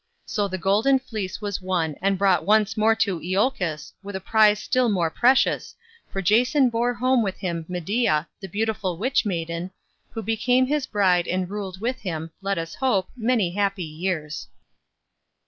So the Golden Fleece was won and brought once more to Iolchos with a prize still more precious, for Jason bore home with him Medea, the beautiful witch maiden, who became his bride and ruled with him, let us hope, many happy years.